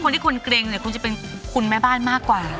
คนที่คุณเกร็งเนี่ยคุณจะเป็นคุณแม่บ้านมากกว่า